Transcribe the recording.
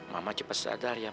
mama cepat sadar ya